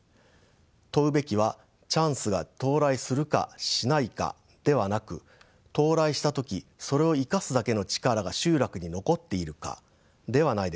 問うべきはチャンスが到来するかしないかではなく到来した時それを生かすだけの力が集落に残っているかではないでしょうか。